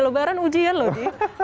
lebaran ujian loh